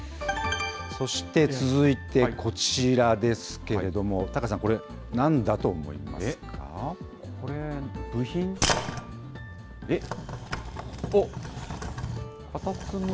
そして続いてこちらですけれども、高瀬さん、これ、なんだと思いまこれ、部品？え？